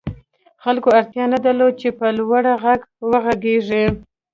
خلکو اړتیا نه درلوده چې په لوړ غږ وغږېږي